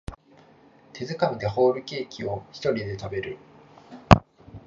手づかみでホールケーキをひとりで食べきる